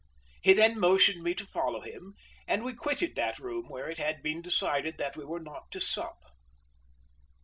He then motioned me to follow him, and we quitted that room where it had been decided that we were not to sup.